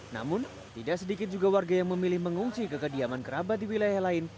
namun tidak sedikit juga warga yang memilih mengungsi ke kediaman kerabat di wilayah lain